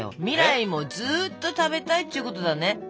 未来もずーっと食べたいっちゅうことだね。